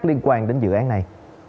liên quan đến dự án này